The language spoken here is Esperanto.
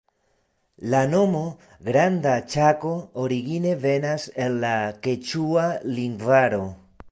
La nomo Granda Ĉako origine venas el la keĉua lingvaro.